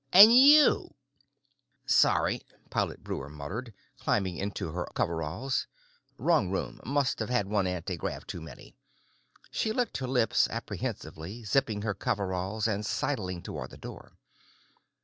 And you!" "Sorry," Pilot Breuer muttered, climbing into her coveralls. "Wrong room. Must've had one anti grav too many." She licked her lips apprehensively, zipping her coveralls and sidling toward the door.